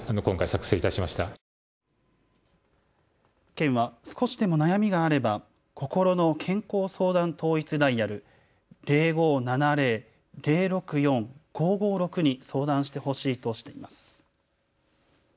県は少しでも悩みがあれば心の健康相談統一ダイヤル０５７０−０６４−５５６に相談してほしいとしています。